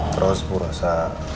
terus bu rosa